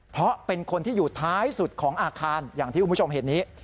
เพราะเป็นคนที่อยู่ท้ายสุดของอาคารอย่างที่คุณผู้ชมเห็นนี้